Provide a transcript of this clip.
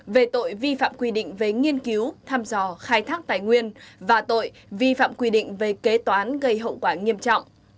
về tội vi phạm quy định về nghiên cứu tham dò khai thác tài nguyên và tội vi phạm quy định về kế toán gây hậu quả nghiêm trọng